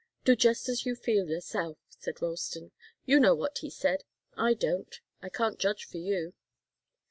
"Do just as you feel, yourself," said Ralston. "You know what he said I don't. I can't judge for you."